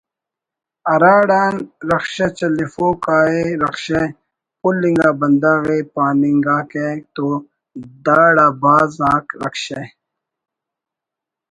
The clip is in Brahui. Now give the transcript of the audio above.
ہراڑان رکشہ چلفوک آءِ رکشہ (پھل انگا بندغ ءِ) پاننگاکہ تو داڑا بھاز آک رکشہ